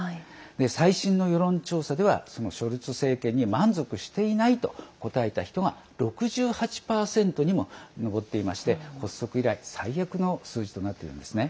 最新の世論調査ではそのショルツ政権に満足していないと答えた人が６８％にも上っていまして発足以来最悪の数字となっているんですね。